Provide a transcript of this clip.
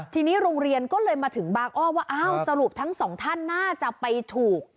ทีนี้โรงเรียนก็เลยมาถึงบางอ้อว่าอ้าวสรุปทั้งสองท่านน่าจะไปถูก